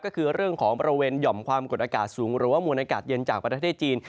ก็คือเรื่องของบริเวณหย่อมความกดอากาศสูงหรือว่ามวลอากาศเย็นจากประเทศจีน